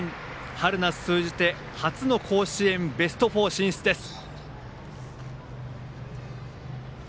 春夏通じて初の甲子園ベスト４進出です。